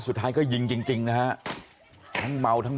บอกแล้วบอกแล้วบอกแล้ว